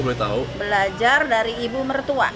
belajar dari ibu mertua